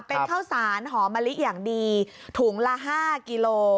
เป็นข้าวสารหอมะลิอย่างดีถุงละ๕กิโล